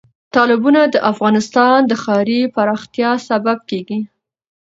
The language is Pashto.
تالابونه د افغانستان د ښاري پراختیا سبب کېږي.